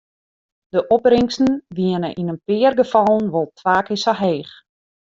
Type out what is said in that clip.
De opbringsten wiene yn in pear gefallen wol twa kear sa heech.